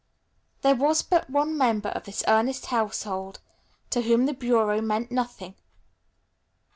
There was but one member of this earnest and busy household to whom the Bureau meant nothing.